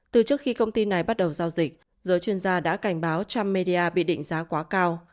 từ trước khi công ty này bắt đầu giao dịch giới chuyên gia đã cảnh báo trump media bị định giá quá cao